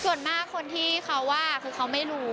ส่วนมากคนที่เขาว่าคือเขาไม่รู้